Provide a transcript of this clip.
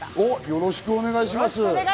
よろしくお願いします。